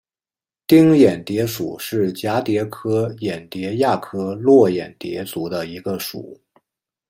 玎眼蝶属是蛱蝶科眼蝶亚科络眼蝶族中的一个属。